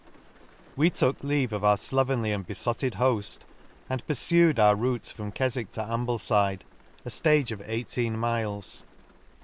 We took leave of our flovenly and befotted heft, and purfued our rout from Kcfwick to Ambleside, a ftage of eigh teen miles.